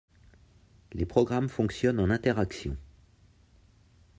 Les programmes fonctionnent en interaction.